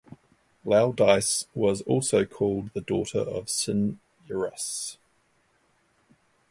Laodice was also called the daughter of Cinyras.